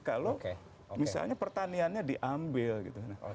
kalau misalnya pertaniannya diambil gitu